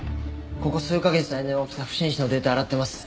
ここ数カ月の間に起きた不審死のデータ洗ってます。